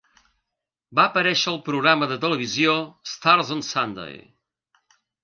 Van aparèixer al programa de televisió "Stars on Sunday".